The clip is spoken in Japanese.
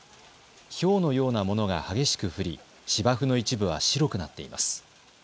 ひょうのようなものが激しく降り芝生の一部は白くなっています。